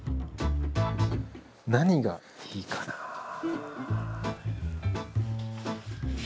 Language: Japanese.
何がいいかなあ。